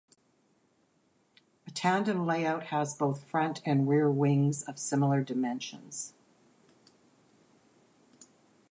A tandem layout has both front and rear wings of similar dimensions.